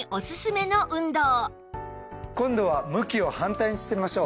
今度は向きを反対にしてみましょう。